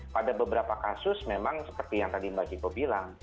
pada beberapa kasus memang seperti yang tadi mbak jiko bilang